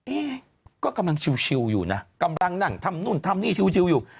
เอ๊ะก็กำลังชิวอยู่นะกำลังนั่งทำนู่นทำนี่ชิวอยู่